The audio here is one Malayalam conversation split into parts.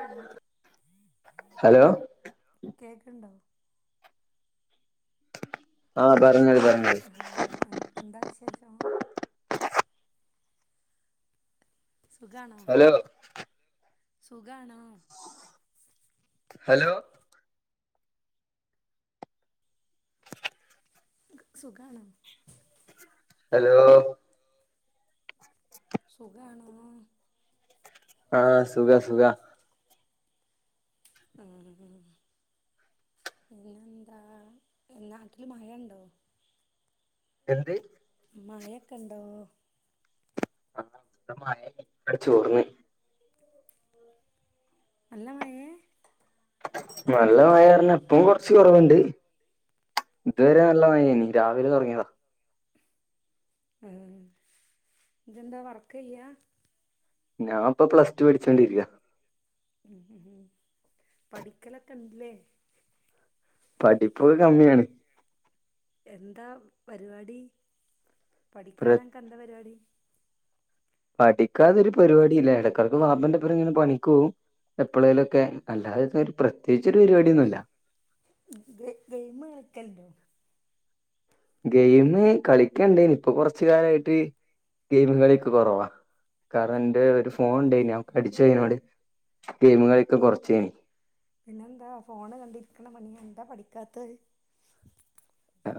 ആഹ് ഹലോ, കേക്ക്ണ്ടോ ആ പറഞ്ഞോളി കേക്കണം പറഞ്ഞോളി ആ എൻ് എന്താ വിശേഷം? ആ സുഗാണോ ഹലോ സുഖാണോ ഹലോ സുഖാണോ ഹലോ സുഖാണോ ആ സുഖ സുഖ ആ പിന്നെന്താ നാട്ടില് മഴയുണ്ടോ എന്ത് മഴൊക്കെ ഇണ്ടോ ആ ഇവിടെ മഴ അങ്ങട് ചോർന്ന് നല്ല മഴേ നല്ല മഴയാറിന്ന് ഇപ്പം കൊറച്ച് കുറവുണ്ട് ഇതുവരെ നല്ല മഴയനി രാവിലെ തുടങ്ങിയതാ ആ ഇജ്ന്താ വർക്ക് ചെയ്യാ ഞാൻ ഇപ്പ പ്ലസ് ടു പഠിച്ചോണ്ടിരിക്ക ഉ ഉ ഉ പഠിക്കലൊക്കെ ഇണ്ട്ല്ലേ പഠിപ്പൊക്കെ കമ്മിയാണ് എന്താ പരിപാടി പ്ര പഠിക്കാതെനക്കെന്താ പരിപാടി പഠിക്കാതൊരു പരിപാടി ഇല്ല ഇടക്കാർക്ക് വാപ്പന്റെപ്പറം ഇങ്ങനെ പണിക്ക് പോവും എപ്പോഴേലുംക്കെ അല്ലാതെ ഒരു പ്രത്യേകിച്ച് ഒരു പരിപാടിയൊന്നുല്ല ഗെയിമ് കളിക്കല്ണ്ടോ ഗെയിമ് കളിക്കണ്ടേനി ഇപ്പൊ കൊറച്ചു കാലവായിട്ട് ഗെയിമ് കളിയക്കെ കൊറവാ കാരണം എന്റെ ഒരു ഫോൺ ഉണ്ടേന അടിച്ചോട് ഗെയിമ് കളിയൊക്കെ കുറച്ചനി പിന്നെന്താ ഫോണ് കണ്ടിരിക്കണ പണി എന്താ പഠിക്കാത്തത്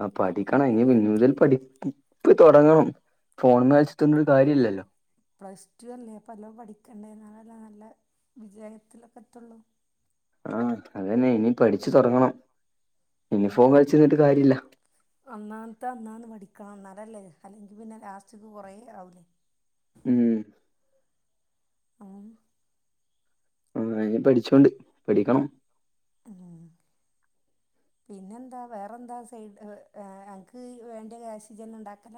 ആ പഠിക്കണം ഇനി പിന്ന മുതൽ പഠിപ്പ് തുടങ്ങണം ഫോൺ മേച്ചട്ടരു കാര്യല്ലല്ലോ പ്ലസ് ടു അല്ലേ പ്പ നല്ലോല പഠിക്കണ്ട എന്നാലല്ല നല്ല വിജയത്തിലൊക്കെ എത്തുള്ളു ആ അതന്നെ ഇനി പഠിച്ചു തുടങ്ങണം ഇനി അ ഫോൺ കളിച്ചിരുന്നിട്ട് കാര്യല്ല അന്നത അന്നന്ന് പഠിക്ക വക്കണം നല്ലത് അല്ലെങ്കിൽ പിന്നെ ലാസ്റ്റ്ക്ക് കുറേ ആവൂല്ലേ ഉം ഉം ആ ഇനി പഠിച്ചോണ്ട് പഠിക്കണം പിന്നെന്താ വേറെന്താ സൈഡ് അങ്ങക്ക് വേണ്ട കാഷ് ജ്ന്നെ ഇണ്ടാക്കണ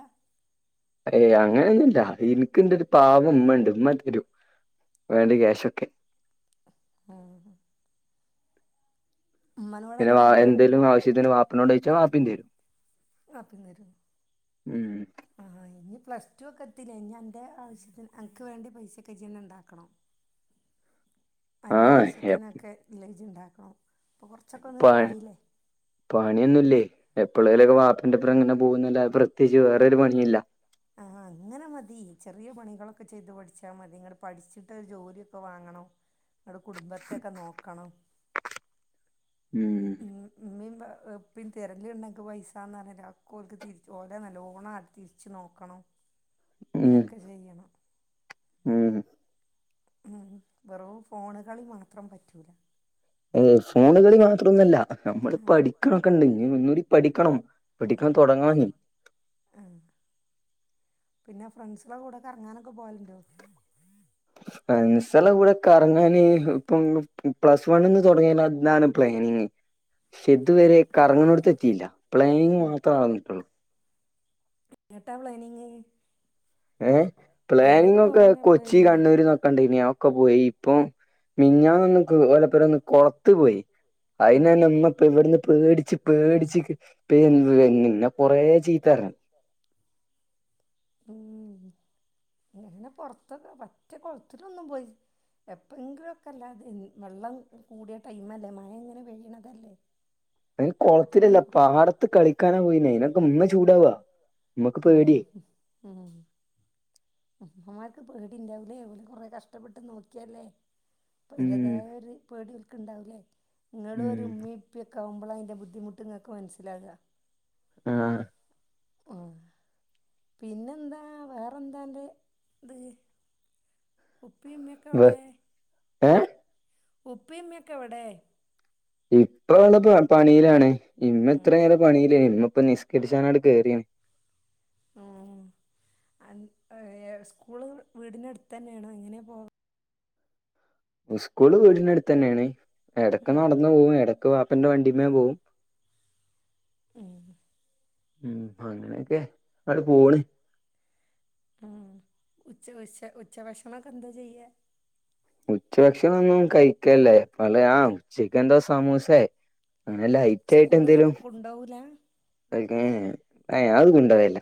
ഏയ് അങ്ങനെയൊന്നുംല്ല എനക്ക് എന്റെ ഒരു പാവം ഉണ്ട് ഉമ്മതരും വേണ്ട ക്യാഷൊക്കെ ആ പിന്നെ വ എങ്ങനെ വാങ്ങാം എന്തേലും ആവശ്യത്തിന് വാപ് പ്പേനോടുചോയ്ചാ വാപ്പേം തരും വാപ്പേന്തരും ഉം ആഹ് ഇനീ പ്ലസ്റ്റൂക്കെ എത്തീലേ ഇനി അൻ്റെ ആവശ്യത്തിൻ അന്ക്ക് വേണ്ടി പൈസക്കെ ജ്ജ്ന്നെ ഇണ്ടാക്കണം അന്റെ ആവശ്യത്തിനൊക്കെ ലെജ്ജ് ഇണ്ടാ പ പണിയൊന്നൂലേ എപ്പളേല്ക്കെ വാപ്പേന്റെപ്പരങ്ങനെ പോകുന്നല്ലാ പ്രത്യേക്ച്ച് വേറൊരു പണിയില്ല ആ ഹാ അങ്ങനെ മതി ചെറിയ പണികളൊക്കെ ചെയ്ത് പഠിച്ചാ മതി ഇങ്ങട് പഠിച്ചിട്ട് ഒരു ജോലിയൊക്കെ വാങ്ങണം. ഇന്ന്ട് കുടുംബത്ത ഒക്കെ നോക്കണം ഉം ഇപ്പിം തെരല്ണ്ട് ഞങ്ങക്ക് പൈസാന്ന് പറഞ്ട്ട് അ ഒക്കെ ഓൽക്ക് തിരിച് ഓലെ നല്ലോണം ആട് തിരിച്ച് നോക്കണം. ഉം അങ്ങനൊക്കെ ചെയ്യണം ഉം ഉം വെറു ഫോണുകളി മാത്രം പറ്റൂല ഏഹ് ഫോണുകളി മാത്രോന്നുല്ല നമ്മള് പഠിക്കണൊക്കെണ്ട് [unintelligible] ക്ക് പഠിക്കണം പഠിക്കാ ഉം തൊടങ്ങാഞ്ഞി ആഹ് പിന്നെ ഫ്രണ്ട്സലെ കൂടെ കറങ്ങാനൊക്കെ പോകലുണ്ടോ ഫ്രണ്ട്സെല്ല കൂടെ കറങ്ങാന് ഇപ്പം ള് പ്ലസ് വണ്ണ്ന്ന് തൊടങ്ങിന്നാനാല് അതാണ് പ്ലാനിങ് ക്ഷെ ഇതുവരെ കറങ്ങിന്നോടത്തെത്തീല പ്ലാനിങ്ങ് മാത്ര നടന്നിട്ടുള്ളു ഏങ്ങട്ടാ പ്ലാനിംങ് ഏഹ് പ്ലാനിങ്ങൊക്കെ കൊച്ചി പ്ലാനിങ് കണ്ണൂര്ന്നൊക്കണ്ട് യിനോ ഒക്കെ പോയി ഇപ്പൊ മിൻഞ്ഞാന്നൊന്ന്ക്ക് ഓലപ്പെരേന്ന് കൊളത്ത് പോയി ആഹ് അയിനെന്ന മ്മ്ക്ക് ഇവിട്ന്ന് പേടി ച്ച് പേടിച്ചിക് പേൻ [unintelligible] ന്നെ കൊറേ ചീത്തേറഞ്ഞ് ഉം അങ്ങനെ പൊറത്തൊക്കെ മറ്റേ കൊളത്തിലൊന്നും പോയി എപ്പഴെങ്കിലുക്കെല്ലാത് എൻ വെള്ളം കൂടിയ ടൈമല്ലേ മഴ ഇങ്ങനെ പെയ്യണതല്ലേ അയ്ന് അപ്പൊ കൊളത്തിലല്ല ഇങ്ങനെ പ- പാടത്ത് കളിക്കാനാ പോയിനെ [unintelligible] ചൂടാവ്വാ ഉം ഉം ഉം ഉമ്മാക് ക്ക് പേടിണ്ടാവുലേ ഓല് കൊറേ കഷ്ടപ്പെട്ട് നോക്ക്യല്ലേ ഉം പ്പയ്ന്റതായൊര് പേടി ഓൽ ക്ക്ണ്ടാവുലേ ഇങ്ങളൊരു ഉം മ്മീ പ്പിക്ക് ക്കാവ്മ്പളൈൻ്റെ ബുദ്ധിമുട്ട് ഇങ്ങക്ക് മൻസ്സിലാക ആ ഓ പിന്നെന്താ വേറെന്താന്റെ ത് ഉപ്പീം മ്മിം ക്കെവ്ടേ ഏ ഉപ്പീം മ്മിം ക്കെവടെ ഇപ്പ വന്ന്ട്ട്ല്ല പണീലാണ് ഉം ഇമ്മത്രേരം പണീലേര്ന്നു ഇപ്പം നിസ്കര്ച്ചാനാണ്ട് കേറീണ് ആ അൻ ഏ സ്കൂള് വീട്ന്റെ അട്ത്തന്നേണാേ എങ്ങനെ പോ ഉസ്കൂള് വീട്നട്ത്തെന്നേണ് ഇടയ്ക്ക് നടന്നു പോവും ഇടക് ക് പാപ്പന്റെ വണ്ടിമ്മേ പോവും ഉം മ് അങ്ങനെയൊക്കെ അട് പോണ് ഉം ഉച്ച ഉച്ച ഉച്ചവശണൊക്കെ എന്താ ചെയ്യ ഉച്ച ഭക്ഷണം ഒന്നും കഴിക്കല്ലേ പലയാ ചിക്കൻന്റെോ സമൂസേ അങ്ങനെ ലൈറ്റ് സ്കൂള് കൊണ്ടോ വൂല [unintelligible] ഹെ അഹ് കൊണ്ടോഏല്ല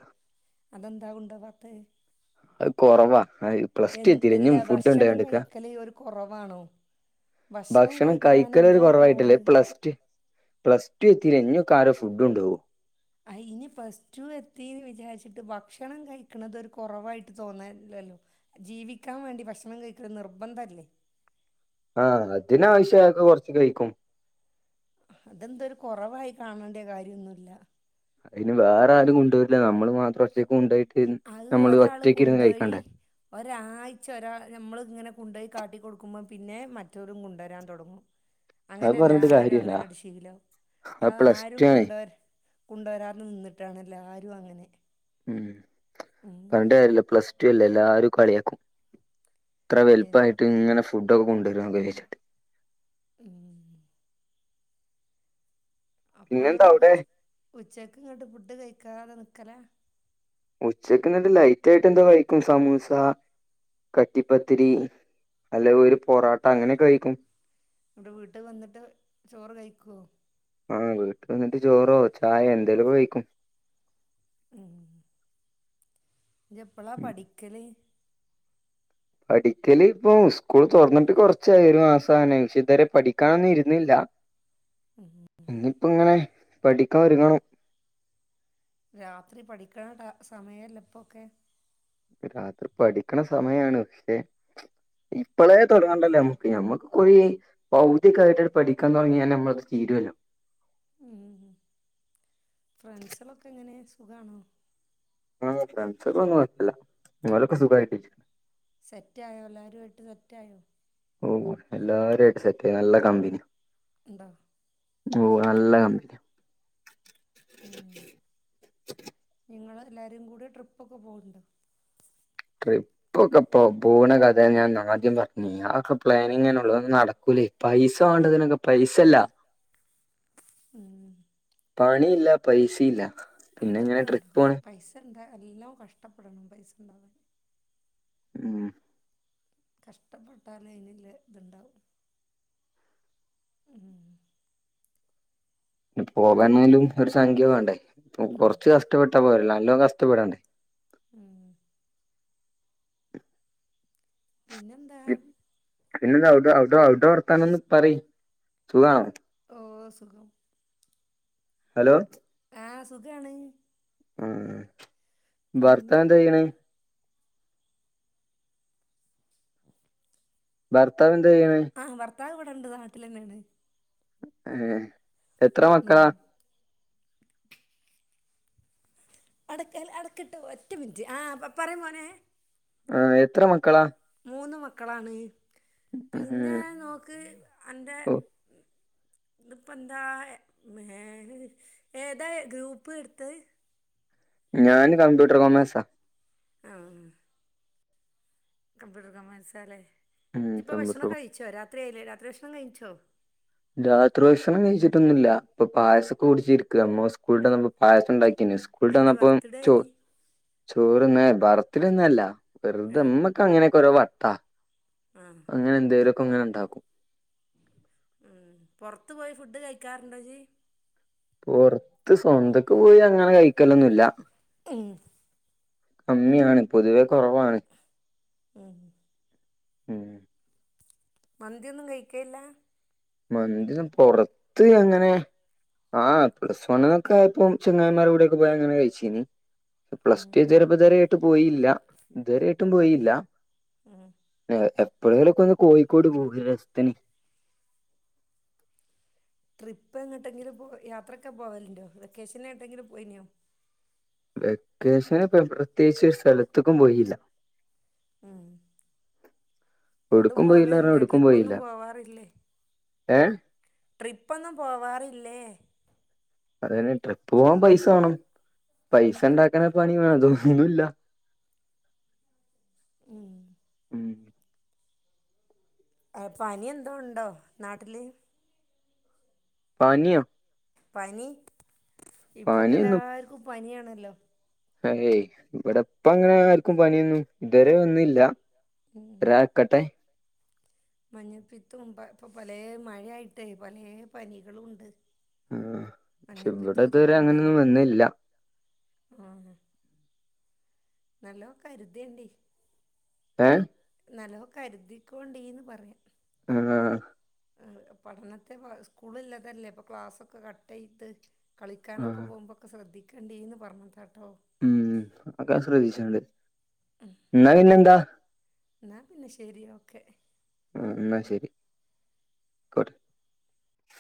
ദന്താ കൊണ്ടോവാത്തെ അഹ് കുറവാ എ ഇൽ എല്ല ഭക്ഷണം കഴിക്കല് ഒരു കുറവാണോ ഭക്ഷണം കഴിക്കാൻ കഴിക്കലൊരു എന്താ ഒരു കൊറവായിട്ടല്ലേ കുറവ് പ്ലസ് ടു പ്ലസ് ടു എത്തിലെ ഞൊക്കാരോ ഫുഡ് ണ്ടോവോ അ ഇനി ഫസ്റ്റ് ടു എത്തിന്ന് വിചാരിച്ചിട്ട് ഭക്ഷണം കഴിക്കണത് ഒരു കുറവായിട്ട് തോന്നെല്ലല്ലോ ജീവിക്കാൻ വേണ്ടി ഭക്ഷണം കഴികൽ നിർബന്ധല്ലേ ആ അതിനാവശ്യ ആക്കെ കൊറച്ച കഴിക്കും അതെന്ത രു കുറവായി കാണേണ്ട കാര്യംന്നുല്ല അയിന് വേറെ ആരും കൊണ്ടോര്ല നമ്മള് മാത്രം ഒറ്റക്കൊണ്ടോയിട്ട് അത് ഒരാള് കൊണ്ടോയി ഒരാഴ്ച ഒരാൾ നമ്മൾ ഇങ്ങനെ കൊണ്ടിയി കാട്ടി കൊടുക്കുമ്പോ പിന്നെ മറ്റൊരും കൊണ്ടരാൻ തൊടങ്ങും അത് അങ്ങനെയല്ല പറഞ്ഞിട്ട് ആരും കാര്യല്ല അങ്ങനെ ശീലവും അത് പ്ലസ് ആരും ടു ആണ് കൊണ്ടര് കൊണ്ടോരാതെ നിന്നിട്ടാണല്ലോ ആര് ഇതു അങ്ങനെ ഉം ഉം പർണ്ട് കാര്യല്യ പ്ലസ് റ്റു എല്ലെ എല്ലാരും കളിയാക്കും ത്ര എൻ വൽപ്പായിട്ട് ങ്ങനെ ഫുഡ്ഡോക്കെ കൊണ്ടുവരുന്നൊക്കെ വിചാര ച്ചിട്ട് ഉം അപ്പൊ ങ്ങള് പിന്നെന്താ അവിടെ ഉച് ഉച്ചക്ക് ങ്ങട്ട് ഫുഡ് കഴിക്കാതെ നിക് ക്കലെ ഉച്ചക്ക് ന്നട്ട് ലൈറ്റ് ആയിട്ട് എന്താ കഴിക്കും സമൂസ കട്ടിപ്പത്തിരി അല്ലെ ഒര് പൊറോട്ട അങ്ങനെയൊക്കെ കഴിക്കും വ്ടെ വീട്ടി വന്നിട്ട് ചോറ് കഴിക്കോ ആ വീട്ട് വന്നിട്ട് ചോറോ ചായേ എന്തേലുക്കെ കഴിക്കും ഉം യ് എപ്പളാ ഉം. പഠിക്കല് പഠിക്കല് ഇപ്പോ സ്കൂൾ തൊറന്നിട്ട് കുറച്ചായി ഒരു മാസംആയിനെ ക്ഷെ ഇതുവരെ പഠിക്കാന് ഇരുന്നില്ല ഇന്നിപ്പം ങ്ങനെ പഠിക്കാ ഒരുങ്ങണം രാത്രി പഠിക്കണ ട സമയം അല്ലെ ഇപ്പൊക്കെ ക് രാത്രി പഠിക്കണ സമയാണ് ക്ഷേ ഇപ്പളേ തുടങ്ങണ്ടല്ലോ നമുക്ക് ഞമുക്ക് കുയിപകുതി കയിട് പഠിക്കാൻ തുടങ്ങിയാന്നെ നമ്മൾത് തീരോല്ലോ ഉം ഉം ഫ്രണ്ട്സെളൊക്കെ എങ്ങനെ സുഖാണോ ആഹ് ഫ്രണ്ട്സെതൊന്നു ഒയ്പല്യ നിങ്ങളൊക്കെ സുഖമായിട്ടിരി സെറ്റ് ആയോ എല്ലാരു ആയിട്ട് സെറ്റായോ ഓ എല്ലാരും ആയിട്ട് സെറ്റ് ആയി നല്ല കമ്പിനി [unintelligible] ഓ നല്ല കമ്പനിയാ ഉം നിങ്ങള് എല്ലാവരും കൂടി ട്രിപ്പൊക്കെ പോവ്ണ്ടോ ട്രിപ്പൊക്കെ പോ പോണ കഥയാ ഞാൻ ആദ്യം പറഞ്ഞീനി അതൊക്കെ പ്ലാനിങ്ങനെ ഉള്ളൂ അതൊന്നും നടക്കൂല പൈസ വേണ്ടതിനൊക്കെ പൈസ ഇല്ല ഉം പണില്ല പൈസില്ല അതൊക്കെ ഇണ്ടാവും പൈസ എന്താ നല്ലോം കഷ്ട്ടപ്പെടണം പൈസ ഉണ്ടാവാൻ. ഉം കഷ്ടപ്പെട്ടാലെ അയിനള്ള ഇതുണ്ടാവു. ഈ പോകാനായാലും ഒരു സംഖ്യ വേണ്ടേ പ്പോ കൊറച്ച് കഷ്ടപ്പെട്ടാ പോരല്ലാ നല്ലോം കഷ്ടപ്പെടണ്ടേ ഉം പിന്നെന്താ പിന്നെന്താ അവുടെ അവുടെ വർത്താനൊന്ന് പറി സുഖാണോ ഓ സുഖം ഹലോ ആഹ് സുഖാണ് മ്ഹ് ഭർത്താവ് പിന്നെ എന്താ ചെയ്യണെ ഭർത്താവ് എന്ത് എന്താ ചെയ്യണേ ആ ഭർത്താവ് ഇവിടെണ്ട്. നാട്ടിലെന്നെണ് ഏ എത്ര ഉം മക്കളാ അടയ്ക്ക് അടയ്ക്ക്ട്ടോ ഒറ്റ മിനിറ്റ് ആഹ് പറയ്‌ മോനേ ആഹ് എത്ര മക്കളാ മൂന്ന് മക്കളാണ് പിന്നെ ഉം നോക്ക് അന്റെ ഓഹ് ഇതിപ്പം എന്താ ഏതാ ഗ്രൂപ്പ് എടുത്തെ ഞാന് കമ്പ്യൂട്ടർ കോമേഴ്സാ ആ കംമ്പ്യൂട്ടർ കോമേഴ്സാലെ ഉം ജ് ഇപ്പോ കമ്പ്യൂട്ടർ ഭക്ഷണം കഴിച്ചോ രാ രാത്രിയായില്ലേ രാത്രി ഭക്ഷണം കഴിച്ചോ രാത്രി ഭക്ഷണം കഴിച്ചിട്ടൊന്നും ഇല്ല ഇപ്പൊ പായസൊക്കെ കുടിച്ചിരിക. മോൻ സ്കൂൾ വിട്ട് വന്നപ്പോ പായസം ഉണ്ടാക്കിനി സ്കൂളിട്ട് എൻ്റെ വന്നപ്പോ ബർത്ത്ഡേ ചോ ഇനി ചോറ്ന്നേ ബർത്തിഡെ ഒന്നൂല്ല ആ വെറുതെ മ്മക്കങ്ങനെ രു വട്ടാ ആ അങ്ങനെ ന്തേലും ങ്ങനെ ണ്ടാക്കും ഉം പോർത് പോയി ഫുഡ് കഴിക്കാർണ്ടോ ജ് പൊറത്ത് സ്വന്തൊക്ക പോയി അങ്ങനെ കഴിക്കലൊന്നുല്ല ഉം കമ്മിയാണ് പൊതുവെ കൊർവാണ് ഉം ഉം മന്തിയൊന്നും കഴിക്കേല്ല മന്തിന്നും പൊറത്ത് അങ്ങനെ ആ പ്ലസ് വൺ ന്നൊക്കെ ആയപോം ചങ്ങായിമാരെകൂടെക്കെ പോയി അങ്ങനെ കഴിച്ചീൻ പ്ലസ് ടു എതിരപതരെ പോയില്ല ഇതുവരായിട്ടും പോയില്ല [unintelligible] എപ്പയേലോക്കൊന്ന് ഒന്ന് കോഴിക്കോട് പോം രസ്ത്തിൻ ട്രിപ്പ് എങ്ങട്ടെങ്കിലും പോ യാത്രൊക്കെ പോവൽണ്ടോ വെക്കേഷൻ എങ്ട്ടെലും പൊയിനോ വെക്കേഷൻ ഇപൊ എവ് പ്രത്യേകിച്ച് ഒര് സ്ഥലത്ക്കും പോയില്ല ഉം ങ്ങട്ടും ഒടുക്കും പോയില്ല പറഞ്ഞ പോവല്ലേ ഒടുക്കും പോയില്ല ട്രിപ്പൊന്നും പോവാറില്ലേ ഏ ട്രിപ്പൊന്നും പോവാറില്ലേ അതന്നെ ട്രിപ്പ് പോവാൻ പൈസവാണം പൈസ ണ്ടാക്കനെ പണി വേണം ഇതോന്നുല്ല ഉം ഉം അ പനി എന്തോ ണ്ടോ നാട്ടില് പനിയോ പനി ഇപ്പൊക്കെ പനിയൊന്നും എല്ലാർക്കും പനിയാണ് ലോ ഏയ് ഇവിടപ്പ അങ്ങനാര്ക്കും പനിയൊന്നും ഇതുവരെ വന്നില്ല രാ കട്ടെ മഞ്ഞപ്പിതോം പ്പ പൊ പലേ മഴ ആയിട്ടേ പലേ പനികളുണ്ട് [inaudible] ക്ഷെ ഇവ്ടെ ഇതുരെ ഉണ്ടല്ലോ അങ്ങനൊന്നും വന്നില്ല നലോ കരുതേണ്ടി ഏ നാലോ കരുതികൊണ്ടീന്ന് പറയാ ഹാ പഠനത്തെ പൊ സ്കൂളില്ലതല്ലേ ഇപ്പ ക്ലാസ്സൊക്കെ കട്ടേയ്ത് ആ കളിക്കാനൊക്കെ പോകുമ്പോൊക്കെ ശ്രദ്ധി കണ്ടി ന്ന് പറഞ്ഞതാ മ്മ് അഒകെന ശ്രദ്ധച്ച്ണ്ട് ന്നാ പിന്നെന്താ ന്നാ പിന്നെ ശെരി ഓക്കെ കോട്ടെ